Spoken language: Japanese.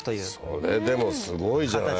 それでもすごいじゃないこれ。